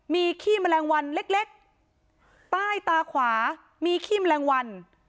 มีขี้แมลงวันเล็กใต้ตาขวามีขี้แมลงวัน